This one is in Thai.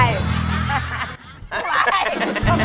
ทำไม